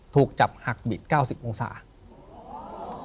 ถูกต้องไหมครับถูกต้องไหมครับ